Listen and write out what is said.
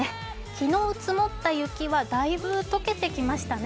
昨日積もった雪はだいぶ解けてきましたね。